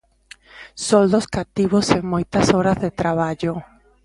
Soldos cativos e moitas horas de traballo.